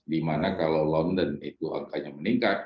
di mana kalau london itu angkanya meningkat